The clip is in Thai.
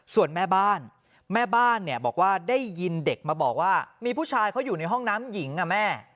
ส่วนแม่บ้านแม่บ้านเนี่ยบอกว่าได้ยินเด็กมาบอกว่ามีผู้ชายเขาอยู่ในห้องน้ำหญิงอ่ะแม่